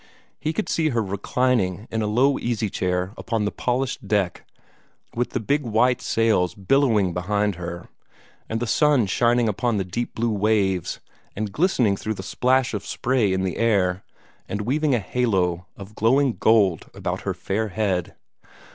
He could see her reclining in a low easy chair upon the polished deck, with the big white sails billowing behind her, and the sun shining upon the deep blue waves, and glistening through the splash of spray in the air, and weaving a halo of glowing gold about her fair head.